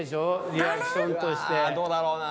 リアクションとしてうわどうだろうな